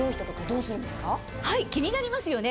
気になりますよね